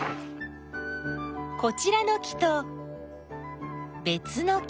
こちらの木とべつの木。